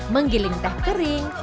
menggiling teh kering